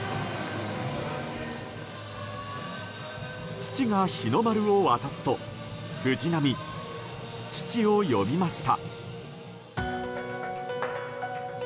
父が日の丸を渡すと藤波、父を呼びました。